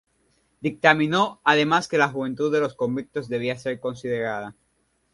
Dictaminó además que la juventud de los convictos debía ser considerada.